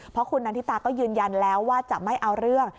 เพราะคุณนันทิตาก็ยืนยันแล้วว่าจะไม่เอาเรื่อง